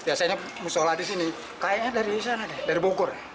biasanya musola di sini kayaknya dari sana deh dari bogor